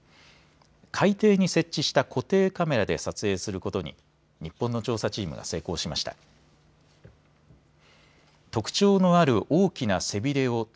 海底に設置した固定カメラで撮影することに日本の調査チームが成功しました。